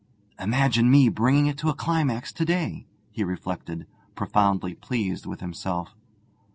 'Imagine me bringing it to a climax to day,' he reflected, profoundly pleased with himself.